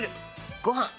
ご飯！